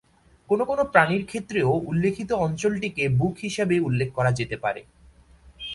কোন কোন প্রাণীর ক্ষেত্রেও উল্লেখিত অঞ্চলটিকে বুক হিসাবে উল্লেখ করা যেতে পারে।